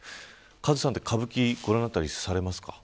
カズさんは歌舞伎ご覧になったりされますか。